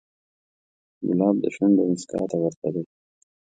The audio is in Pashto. ګلاب د شونډو موسکا ته ورته دی.